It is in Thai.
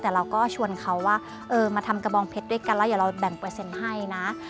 แต่เราก็ชวนเขาว่าเออมาทำกระบองเพชรด้วยกันแล้วเดี๋ยวเราแบ่งเปอร์เซ็นต์ให้นะ